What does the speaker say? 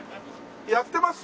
やってます？